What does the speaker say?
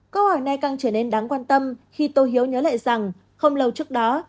câu hỏi này càng trở nên đáng quan tâm khi tôi hiếu nhớ lại rằng không lâu trước đó